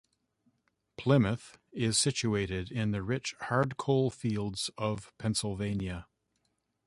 Plymouth is situated in the rich hard coal fields of Pennsylvania.